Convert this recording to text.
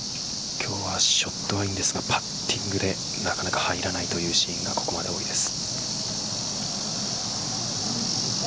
今日はショットはいいんですがパッティングでなかなか入らないというシーンがここまで多いです。